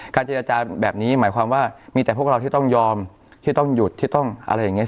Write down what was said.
เจรจาแบบนี้หมายความว่ามีแต่พวกเราที่ต้องยอมที่ต้องหยุดที่ต้องอะไรอย่างนี้